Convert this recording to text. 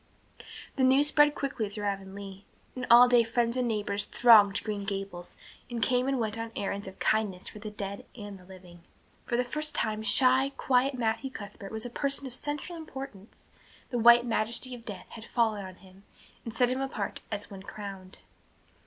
The news spread quickly through Avonlea, and all day friends and neighbors thronged Green Gables and came and went on errands of kindness for the dead and living. For the first time shy, quiet Matthew Cuthbert was a person of central importance; the white majesty of death had fallen on him and set him apart as one crowned.